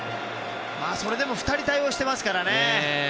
それでも２人対応してますからね。